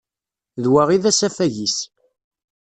D wa i d asafag-is.